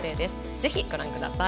ぜひ、ご覧ください。